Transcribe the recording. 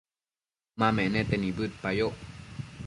ma menete nibëdpayoc